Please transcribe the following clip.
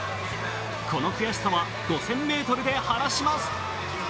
この悔しさは５０００ｍで晴らします。